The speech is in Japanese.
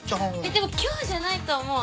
でも今日じゃないと思う。